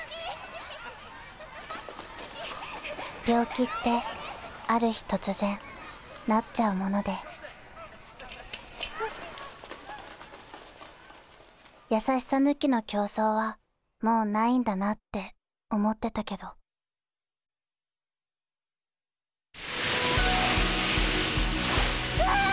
病気ってある日突然なっちゃうもので優しさ抜きの競争はもうないんだなって思ってたけどうわあ！